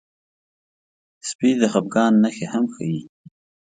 سپي د خپګان نښې هم ښيي.